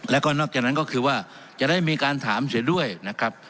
แล้วก็นอกจากนั้นก็คือว่าจะได้มีการถามเสียด้วยนะครับ